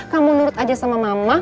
kamu nurut aja sama mama